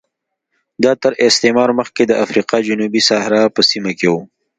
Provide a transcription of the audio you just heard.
دا تر استعمار مخکې د افریقا جنوبي صحرا په سیمه کې و